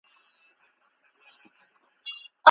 د ښه څېړونکي حوصله له نورو زیاته وي.